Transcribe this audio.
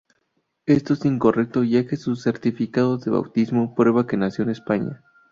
Esto es incorrecto ya que su certificado de bautismo prueba que nació en España.